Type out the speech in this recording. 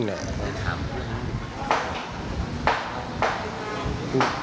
ครับ